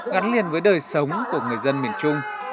gắn liền với đời sống của người dân miền trung